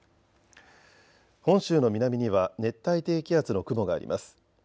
本州の南には熱帯低気圧の雲があります。